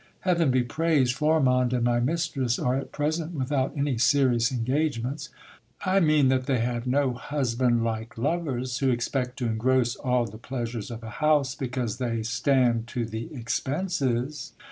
Heaven be praised, Flo rimonde and my mistress are at present without any serious engagements ; I mean that they have no husband like lovers, who expect to engross all the pleasures of a house, because they stand to the expenses.